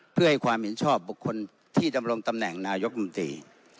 เพื่อให้ความเห็นชอบบุคคลที่ดำรงตำแหน่งนายกรรมตรี